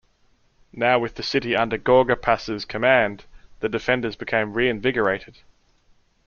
Now with the city under Gorgopas' command the defenders became reinvigorated.